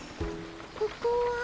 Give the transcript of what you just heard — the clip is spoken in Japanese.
ここは。